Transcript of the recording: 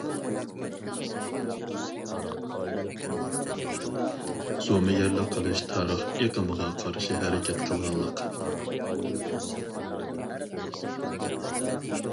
زومىگەرلىك قىلىش تارىخ ئېقىمىغا قارشى ھەرىكەت قىلغانلىق.